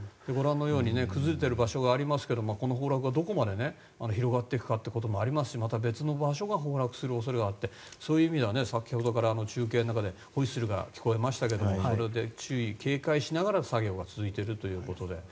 崩れている場所がありますがこの崩落が、どこまで広がっていくかもありますしまた別の場所が崩落する恐れもあってそういう意味では先ほどから中継の中でホイッスルが聞こえましたがあれで注意・警戒しながら作業が続いているということで。